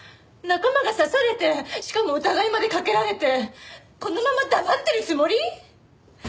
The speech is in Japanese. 仲間が刺されてしかも疑いまでかけられてこのまま黙ってるつもり？